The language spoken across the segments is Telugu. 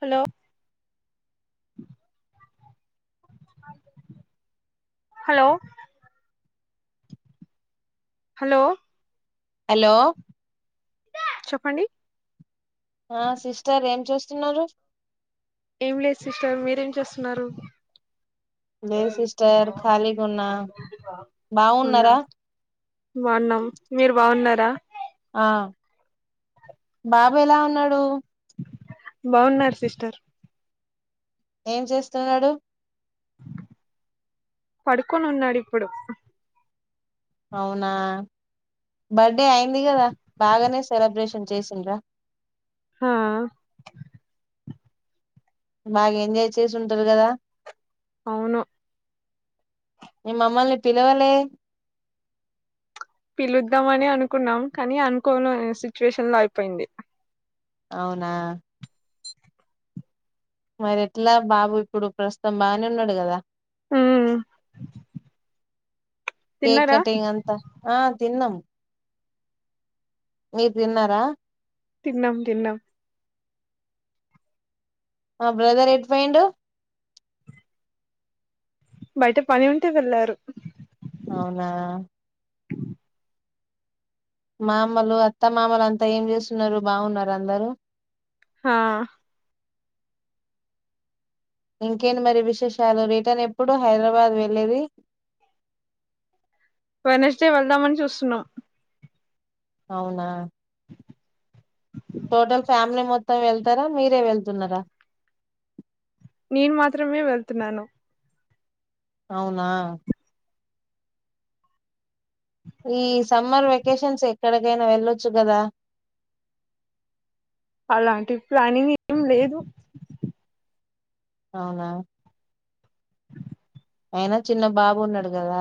హలో హలో హలో హలో చెప్పండి ఆ సిస్టర్ ఏం చేస్తున్నారు ఏం లేదు సిస్టర్ మీరేం చేస్తున్నారు లేదు సిస్టర్ ఖాళీగా ఉన్నా అవునా బాగున్నారా బాగున్నాం మీరు బాగున్నారా ఆ బాబు ఎలా ఉన్నాడు బాగున్నారు సిస్టర్ ఏం చేస్తున్నాడు పడుకొని ఉన్నాడు ఇప్పుడు అవునా బర్త్డే అయింది కదా బాగానే సెలబ్రేషన్ చేసిండ్రా హా బాగా ఎంజాయ్ చేసింటారు కదా అవును మీరు మమ్మల్ని పిలవలే పిలుద్దామని అనుకున్నాం కానీ అనుకోని సిచ్యువేషన్ లో అయిపోయింది అవునా మరి ఎట్లా బాబు ఇప్పుడు ప్రస్తుతం బాగానే ఉన్నాడు కదా ఉమ్ కేక్ తిన్నారా కటింగ్ అంతా ఆ తిన్నాం మీరు తిన్నారా తిన్నం తిన్నం ఆ బ్రదర్ ఎటు పోయిండు బయట పని ఉంటే వెళ్ళారు అవునా మామలు అత్త మామలు అంతా ఏం చేస్తున్నారు బాగున్నారా అందరూ హా ఇంకేంటి మరి విశేషాలు రిటర్న్ ఎప్పుడు హైదరాబాద్ వెళ్ళేది వెడ్నెస్డే వెళ్దామని చూస్తున్నాం అవునా టోటల్ ఫ్యామిలీ మొత్తం వెళ్తారా మీరే వెళ్తున్నారా నేను మాత్రమే వెళ్తున్నాను అవునా ఈ సమ్మర్ వెకేషన్స్ ఎక్కడికైనా వెళ్ళొచ్చు కదా అలాంటి ప్లానింగ్ ఏం లేదు అవునా అయినా చిన్న బాబు ఉన్నాడు కదా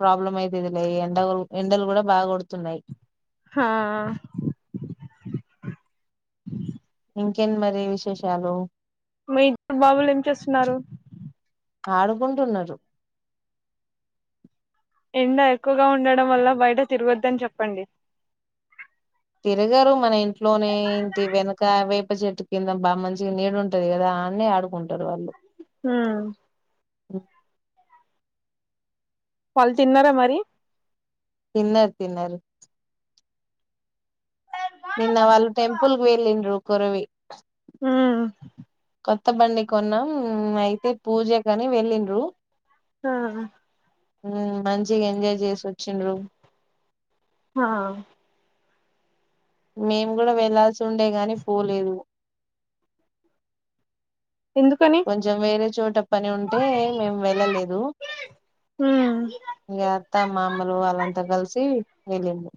ప్రాబ్లం అయితుది లే ఎండ ఎండలు కూడా బాగా కొడుతున్నాయి హా ఇంకెన్ మరి విశేషాలు మీ ఇద్దరు బాబులు ఏం చేస్తున్నారు ఆడుకుంటున్నారు ఎండ ఎక్కువగా ఉండడం వల్ల బయట తిరగద్దని చెప్పండి తిరగారు మన ఇంట్లోనే ఇంటి వెనక వేప చెట్టు కింద బాగా మంచిగా నీడుంటది కదా అన్నే ఆడుకుంటారు వాళ్ళు హమ్ [unintelligible] వాళ్ళు తిన్నారా మరి తిన్నారు తిన్నారు నిన్న వాళ్ళు టెంపుల్ వెళ్ళిండ్రు కొరవి హమ్ కొత్త బండి కొన్నాం అయితే పూజ కాని వెళ్ళిండ్రు ఆహ్ హమ్ మంచిగా ఎంజాయ్ చేసి వచ్చిండ్రు హా మేము కూడా వెళ్లాల్సి ఉండేగాని పోలేదు ఎందుకని కొంచెం వేరే చోట పని ఉంటే మేము వెళ్ళలేదు హ్మ్ ఇంక అత్త మామలు వాళ్ళంతా కలిసి వెలిండ్రు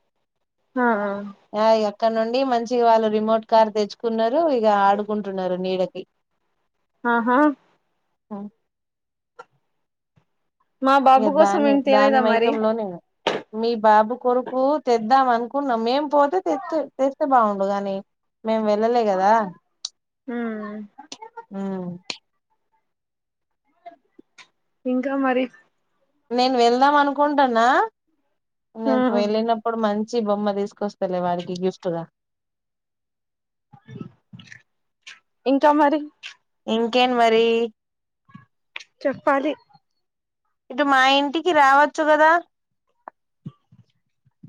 ఆహ్ అక్కడ నుండి మంచిగా వాళ్ళు రిమోట్ కార్ తెచ్చుకున్నారు ఇక ఆడుకుంటున్నారు నీడకి ఆహా ఆహ్ మా బాబు కోసం ఏం దాని తలేదా మరి మైకంలోనే మీ బాబు కొరకు తేదం అను అనుకున్నాం మేం పోతే తెతే తెస్తే బాగుడుగాని మేము వెళ్ళలే కదా హ్మ్ ఇంకా మరి నేను వెళ్దాం అనుకుంటాన్నా ఆ నెన్ వెళ్ళినపుడు మన్ మంచి బొమ్మ తీసుకొస్తలే వాడికి గిఫ్ట్గా ఇంకా మరి ఇంకేం మరి చెప్పాలి ఇటు మా ఇంటికి రావచ్చు కదా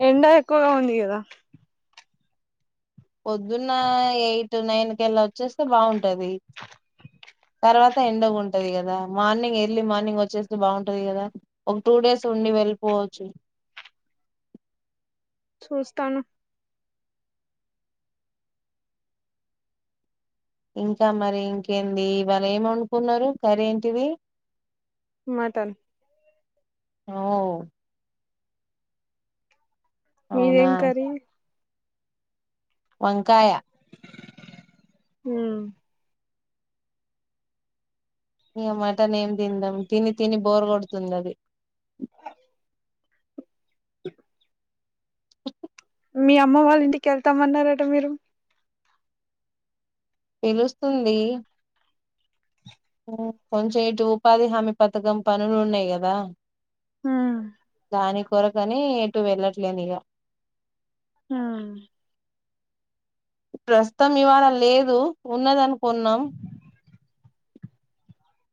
ఎండా ఎక్కువగా ఉంది కదా పొద్దున్నా ఎయిట్ టునైన్ కెల్లా వచ్చేస్తే బాగుం ఉంటది తర్వాత త ఎండగుంటది కదా మార్నింగ్ ఎర్లీ మార్నింగ్ వచ్చేస్తే బాగుంటది. కదా ఒక టూ డేస్ ఉండి. వెళ్ళిపోవచ్చు. చూస్తాను. ఇంకా మరి ఇంకేంది. ఇవాళ ఎం ఒండుకున్నరు కరెంటిది. మటన్ వావ్ అవునా మీదేం కర్రి వంకాయ హ్మ్ ఇగ మటన్ ఏం తిందాం. తిని తిని బోర్ కొడుతున్నాది. మీ అమ్మ వాళ్ళ ఇంటికి యేళ్తమన్నరట మీరు పిలుస్తుంది. కొంచెం ఇటు ఉపాధి హామీ పథకం పనులు ఉన్నాయి. కదా ఆ దాని కొరకాని ఎటు వెళ్ళట్లేనిగా ఆ ప్రస్తుతం ఇవాళ లేదు ఉన్నదనుకున్నాం.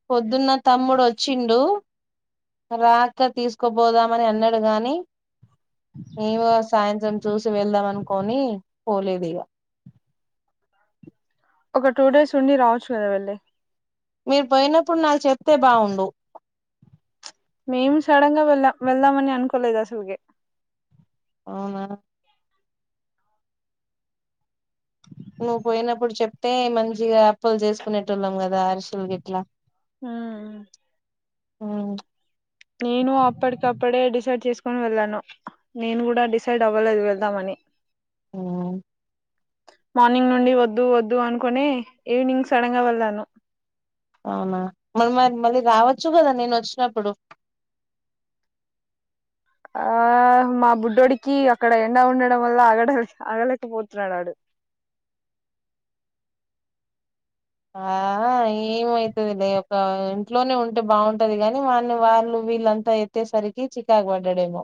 పొద్దున్న తమ్ముడు వచ్చిండు. రా అక్క తీసుకొబోదామని అన్నడు గాని ఇవో సాయంత్రం చూసి వెళ్దాం. అనుకోని పోలేదు ఇగ ఒక టూ డేస్ ఉండి రావచ్చు. కదా వెళ్ళి మీరు పోయినప్పుడు నాకు చెప్తే బావుండు. మేము సడన్ గా వెళ్ళామ్. వెళ్దామని అనుకోలేదు అసల్కే అవునా నువ్ పోయినప్పుడు చెప్తే మంచిగా అప్పలు చేసుకునేటోళ్లం కదా అరిశలు గిట్లా ఆ ఆ నేను అప్పటికప్పుడే డిసైడ్ చేసుకొని వెళ్ళాను. నేను కూడా డిసైడ్ అవ్వలేదు. వెళ్దామని ఆ మార్నింగ్ నుండి వద్దు వద్దు అనుకుని ఈవినింగ్ సడన్గా వెళ్ళాను. అవునా మరి మరి మళ్ళీ రావచ్చు. కదా నేను వచ్చినప్పుడు ఆ మా బుడ్డోడికి అక్కడ ఎండ ఉండడం వల్ల ఆగడం ఆగలేకపోతున్నాడాడు. ఆ ఏమైతదిలే ఒక ఇంట్లోనే ఉంటే బాగుంటది. కాని వాని వాళ్ళు, వీళ్ళంతా ఎత్తేసరికి చికాకు పడ్డాడేమో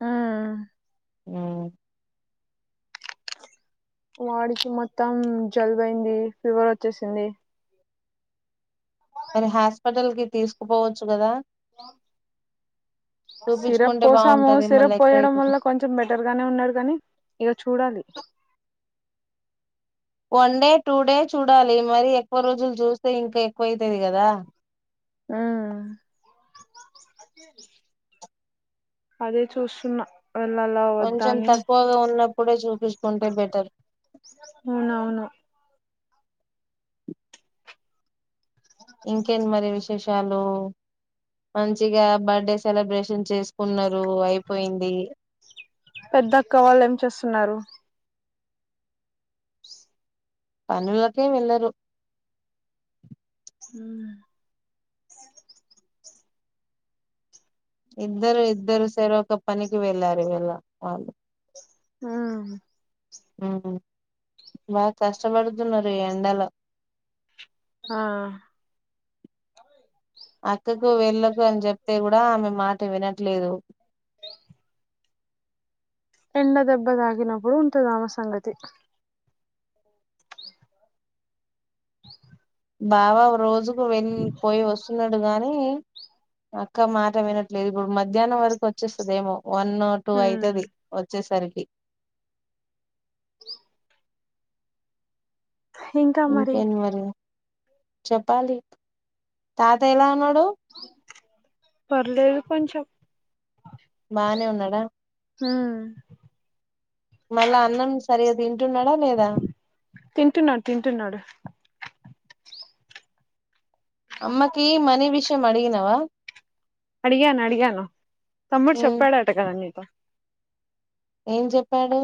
ఆ అవును వాడికి మొత్తం జలుబయింది ఫీవర్ వచ్చేసింది. మరి హాస్పిటల్ కి తీసుకుపోవచ్చు. కదా హలో సిరప్ చూపించుకుంటే పోసాము. బాగుంటది మళ్ళీ సిరప్ ఎక్కువ పోయడం అయితది వల్ల కొంచెం బెటర్ గానే ఉన్నాడు, కాని ఇగ చూడాలి. వన్ డే టూ డే చూడాలి. మరీ ఎక్కువ రోజులు చూస్తే ఇంకా ఎక్కువైతది. కదా ఆ అదే చూస్తున్నా వెళ్ళాలా వద్దా కొంచెం అని తక్కువగా ఉన్నప్పుడే చూపించుకుంటే బెటర్. అవునవును ఇంకేంటి మరి విశేషాలు మంచిగా బర్త్డే సెలబ్రేషన్ చేసుకున్నరు అయిపోయింది. పెద్ద అక్క వాళ్ళు ఏం చేస్తున్నారు పనిలోకే వెళ్ళరు హ్మ్ ఇద్దరు ఇద్దరు సెరొక పనికి వెళ్ళారు. ఈ వళ్ళ వాళ్ళు హ్మ్ హ్మ్ బా కష్టపడుతున్నారు ఈ ఎండలో ఆ అ కు వెళ్ళకు అని చెప్తే కూ మె మీ మాట వినట్లేదు ఎండ దెబ్బ తాకినప్పుడు ఉంటంది ఆమె సంగతి. దా ఒక రోజు వెళ్ పోయి వస్తున్నారు డు గాని అక్క మాట వినట్లేదు ఇప్పుడు మధ్యాహ్నం వరకు వచ్చేస్తద ఏమో వన్ టూ అయితది వచ్చేసరికి ఇంకేంటి మరి చెప్పాలి తాత ఎలా ఉన్నాడ్ పర్లేదు కొంచెం బానే ఉన్నాడా హ్మ్ మళ్ళా అన్నం సరిగా తింటున్నాడా లేదా తింటున్నాడు తింటున్నాడు అమ్మకి మనీ విష్ [unintelligible] అడిగినవా అడిగాను అడిగాను తమ్ముడు ఉమ్, చెప్పాడట కదా నీతో ఏం చెప్పాడు.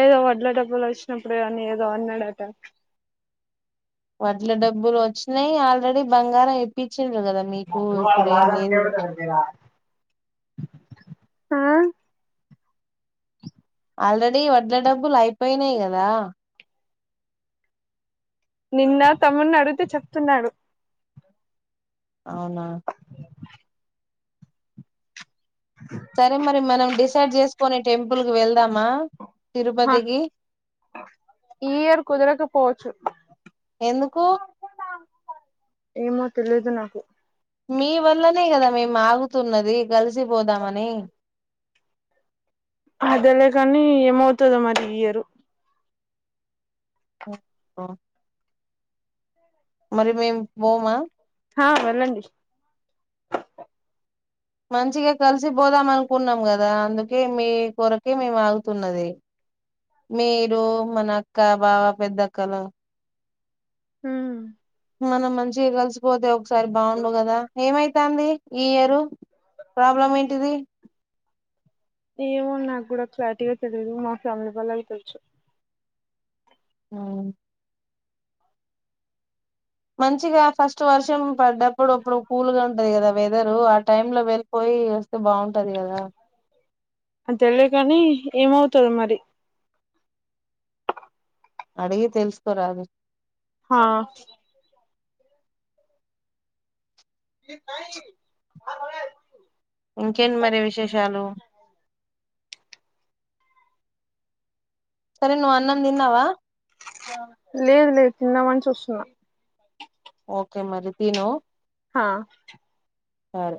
ఏదో వడ్ల డబ్బులు వచ్చినప్పుడు అని ఏదో అన్నాడట. వడ్ల డబ్బులు వచ్చినాయి ఆల్రెడీ బంగారం ఇప్పించ ఇచ్చిండు కదా మీకు ఇప్పుడు ఏం లేదు ఆ ఆల్రెడీ వడ్ల డబ్బులు అయిపోయినాయి కదా. నిన్న తమ్మున్ని అడిగితే చెప్తున్నాడు. అవునా సరే మరి మనం డిస్ స్కస్ చేసుకోని టెంపుల్ కి వెళ్దామా హ తిరుపతికి ఈ ఇయర్ కుదరకపోవచ్చు ఎందుకు ఏమో తెలిదు నాకు మీ వల్లనే కదా మేము ఆగుతున్నది కలిసిపోదామని అదేలే కాని ఏమవుతదో మరి ఈ ఇయరు ఓ మరి మేం పోమా హా వెళ్ళండి మంచిగా కలిసి పోదాం అనుకున్నాం కదా అందుకే మీ కొరకే మేము ఆగుతున్నది మీరు మన అక్క బావ పెద్దక్కలు హమ్ మనం మంచిగా కలిసి పోతే ఒకసారి బాగుండవు కదా ఏమైతంది ఈ ఇయరు ప్రాబ్లం ఏంటిది ఏమో నాకు కూడా క్లారిటీగా తెలిదు మా ఫ్యామిలీ వాళ్ళకి తెలుసు ఆమ్ మంచిగా ఫస్ట్ వర్షం పడ్డప్పుడు అప్పుడు కూల్ గా ఉంటది కదా వెదరు ఆ టైం లో వెళ్ళిపోయి వస్తే బాగుంటది కదా అని తెలి కాని ఏమవుతదో మరి అడిగి తెలుసుకోరాదు హా ఇ ఇంకేంటి మరి విశేషాలు సరే నువ్ అన్నం దిన్నావా లేదు లేదు తిన్నామని చూస్తున్నా ఓకే మరి తిను హా సరే